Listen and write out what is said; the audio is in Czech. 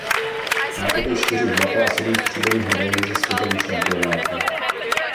Má také čtyři zlata a sedm stříbrných medailí ze světových šampionátů.